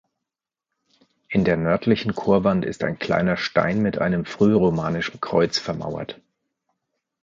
In der nördlichen Chorwand ist ein kleiner Stein mit einem frühromanischen Kreuz vermauert.